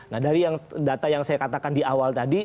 nah dari data yang saya katakan di awal tadi